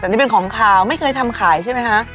แต่นี่เป็นของขาวไม่เคยทำขายใช่ไหมคะ